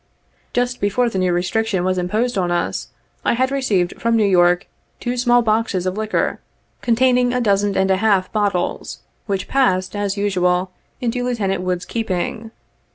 Just before the new restriction was imposed on us, I had received from New York two small boxes of liquor containing a dozen and a 43 half bottles, which passed, as usual, into Lieutenant Wood's keeping.